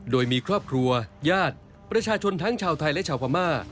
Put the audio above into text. โดยมีครอบครัวญาติประชาชนทั้งชาวไทยและชาวพม่า